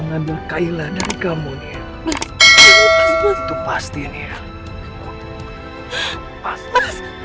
gak akan aku lepasin aku